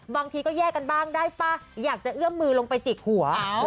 บางทีก็แยกกันบ้างได้ป่ะอยากจะเอื้อมมือลงไปจิกหัว